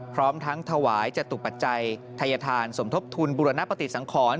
พร้อมทั้งถวายจตุปัจจัยทัยธานสมทบทุนบุรณปฏิสังขร